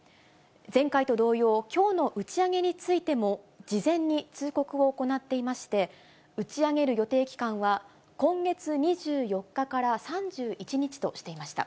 前回と同様、きょうの打ち上げについても事前に通告を行っていまして、打ち上げる予定期間は、今月２４日から３１日としていました。